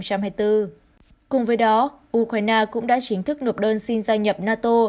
cùng với đó ukraine cũng đã chính thức nộp đơn xin gia nhập nato